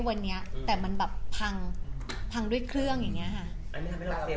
วันนี้แต่มันแบบพังพังด้วยเครื่องอย่างเงี้ค่ะ